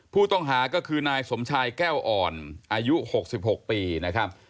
ผู้ต้องหาก็คือนายสมชายแก้วอ่อนอายุ๖๖ปีนะครับ